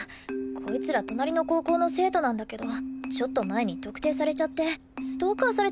こいつら隣の高校の生徒なんだけどちょっと前に特定されちゃってストーカーされて困ってるのよ。